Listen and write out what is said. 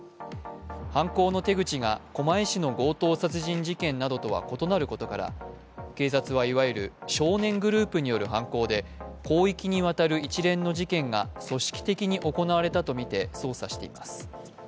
犯行の手口が狛江市の強盗殺人事件などとは異なることから、警察は、いわゆる少年グループによる犯行で広域にわたる一連の事件が組織的に行われたとみて捜査しています。